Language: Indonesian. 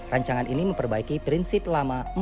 rancangan ini memperbaiki prinsip lama